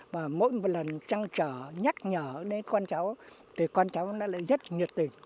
và mỗi lần trăng trở nhắc nhở đến con cháu thì con cháu lại rất nhiệt tình